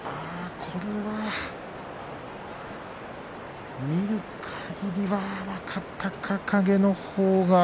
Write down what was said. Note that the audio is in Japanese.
これは見るかぎりは若隆景のほうが。